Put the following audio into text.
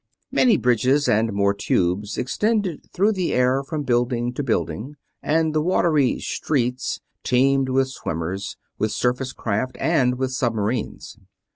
Many bridges and more tubes extended through the air from building to building, and the watery "streets" teemed with swimmers, with surface craft, and with submarines.